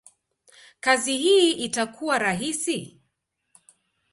kazi hii itakuwa rahisi?